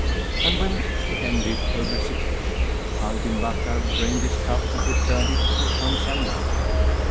And when she ended her recitation, Ali bin Bakkar drained his cup and returned it to Shams al Nahar.